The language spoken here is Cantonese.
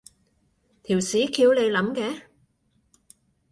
條屎橋你諗嘅？